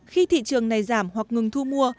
khi thị trường này giảm hoặc ngừng thu mua